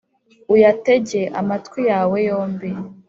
uyatege amatwi yawe yombi